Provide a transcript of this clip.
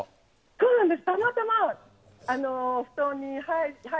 そうなんです。